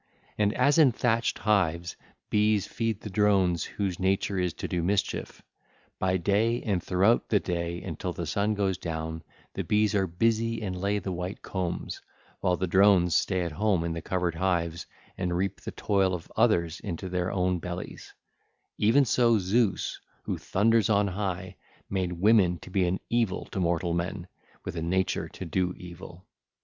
And as in thatched hives bees feed the drones whose nature is to do mischief—by day and throughout the day until the sun goes down the bees are busy and lay the white combs, while the drones stay at home in the covered skeps and reap the toil of others into their own bellies—even so Zeus who thunders on high made women to be an evil to mortal men, with a nature to do evil.